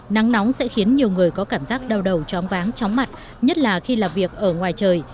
nắng nóng sẽ khiến nhiều người có cảm giác đau đầu choáng váng chóng mặt nhất là khi làm việc ở ngoài trời